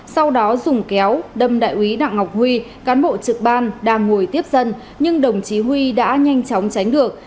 sau đó dùng kéo đâm đại úy đặng ngọc huy cán bộ trực ban đang ngồi tiếp dân nhưng đồng chí huy đã nhanh chóng tránh được